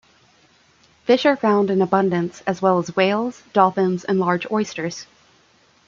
Fish are found in abundance, as well as whales, dolphins and large oysters.